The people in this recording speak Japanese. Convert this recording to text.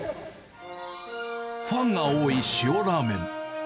ファンが多い塩らーめん。